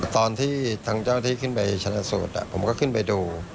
ตอนที่ทางเจ้าหน้าที่ขึ้นไปชนะสูตรผมก็ขึ้นไปดู